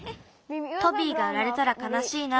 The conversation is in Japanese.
トビーがうられたらかなしいな。